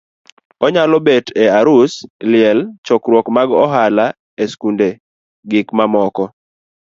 onyalo bet e arus, liel, chokruok mag ohala,e skunde gimamoko.